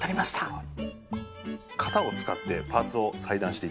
はい。